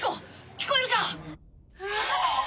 聞こえるか⁉あっ！